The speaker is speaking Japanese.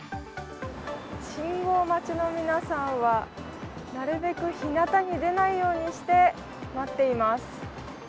信号待ちの皆さんは、なるべくひなたに出ないようにして待っています。